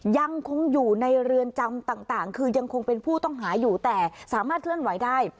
ยังคงอยู่ในเรือนจำต่างคือยังคงเป็นผู้ต้องหาอยู่แต่สามารถเคลื่อนไหวได้